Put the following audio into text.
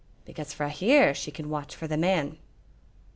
"Because frae here she can watch for the man."